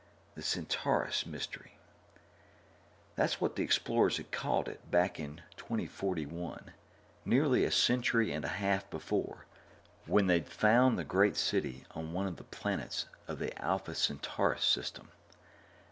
The Centaurus Mystery. That's what the explorers had called it back in 2041, nearly a century and a half before, when they'd found the great city on one of the planets of the Alpha Centaurus system.